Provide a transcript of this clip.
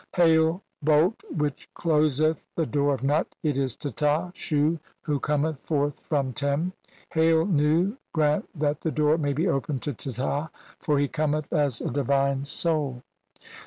"Hail, bolt which closeth the door of Nut, it is Teta, "Shu who cometh forth from Tem. Hail, Nu, grant that "the door may be opened to Teta, for he cometh as "a divine soul."